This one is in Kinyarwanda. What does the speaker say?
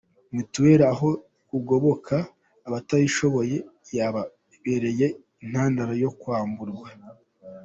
Mutueli aho kugoboka abatishoboye yababereye intandaro yo kwamburwa